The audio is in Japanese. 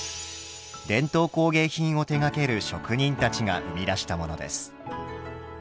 伝統工芸品を手がける職人たちが生み出したものです。